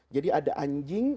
jadi ada anjing